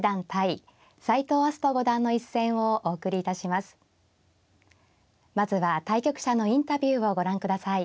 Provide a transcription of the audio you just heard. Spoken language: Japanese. まずは対局者のインタビューをご覧ください。